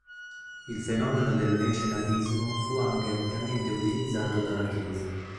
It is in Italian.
Il fenomeno del mecenatismo fu anche ampiamente utilizzato dalla Chiesa.